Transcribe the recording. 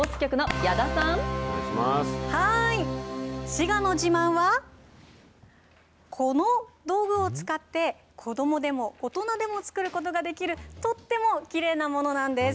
滋賀の自慢は、この道具を使って、子どもでも大人でも作ることができる、とってもきれいなものなんです。